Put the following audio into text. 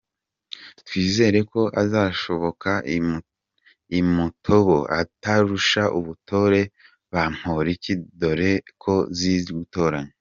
Twizereko azasohoka i Mutobo atarusha ubutore Bamporiki, dore ko zizi gutoranya.